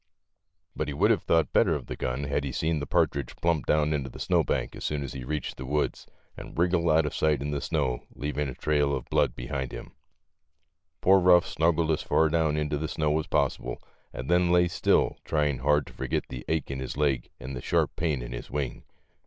But he would have thought better of the gun had he seen the partridge plump down into a snowbank as soon as he reached the woods, and wriggle out of sight in the snow, leaving a trail of blood behind him. Poor Euff snuggled as far down into the snow as possible and then lay still, trying hard to forget the ache in his leg and the sharp pain in his wing.